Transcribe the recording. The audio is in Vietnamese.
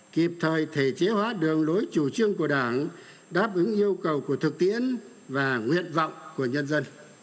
kịp thời thể chế hóa đường lối chủ trương của đảng đáp ứng yêu cầu của thực tiễn và nguyện vọng của nhân dân